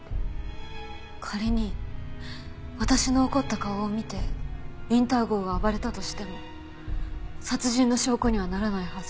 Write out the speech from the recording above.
仮に私の怒った顔を見てウィンター号が暴れたとしても殺人の証拠にはならないはず。